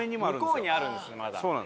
向こうにあるんですねまだ。